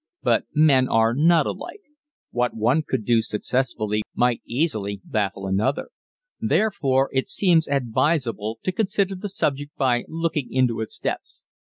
But men are not alike. What one could do successfully might easily baffle another. Therefore, it seems advisable to consider the subject by looking into its depths.